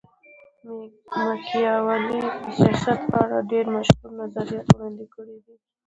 ماکیاولي د سیاست په اړه ډېر مشهور نظریات وړاندي کړي دي.